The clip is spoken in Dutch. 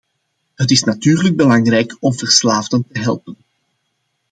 Het is natuurlijk belangrijk om verslaafden te helpen.